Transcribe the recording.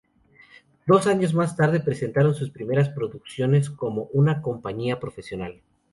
Dos años más tarde presentaron sus primeras producciones como una compañía profesional.